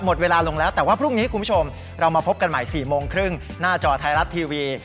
หมดเวลาลงแล้วแต่ว่าพรุ่งนี้คุณผู้ชมเรามาพบกันใหม่๔โมงครึ่งหน้าจอไทยรัฐทีวี